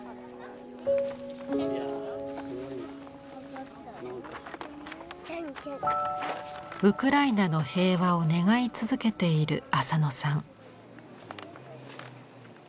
でもウクライナの平和を願い続けている浅野さん。